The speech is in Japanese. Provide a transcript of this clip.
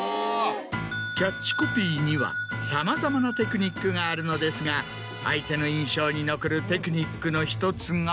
キャッチコピーにはさまざまなテクニックがあるのですが相手の印象に残るテクニックの１つが。